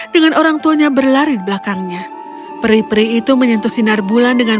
dengan orang tuanya berlari di belakangnya peri peri itu menyentuh sinar bulan dengan